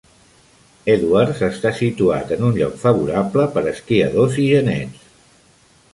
Edwards està situat en un lloc favorable per esquiadors i genets.